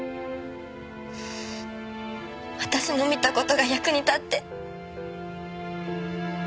私の見た事が役に立って。